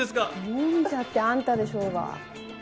どう見たってあんたでしょうが。